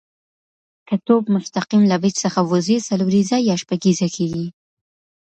که توپ مستقیم له بېټ څخه وځي، څلوریزه یا شپږیزه کیږي.